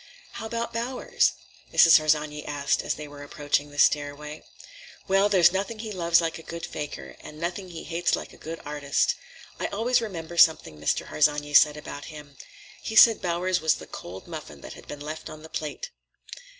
"How about Bowers?" Mrs. Harsanyi asked as they were approaching the stairway. "Well, there's nothing he loves like a good fakir, and nothing he hates like a good artist. I always remember something Mr. Harsanyi said about him. He said Bowers was the cold muffin that had been left on the plate."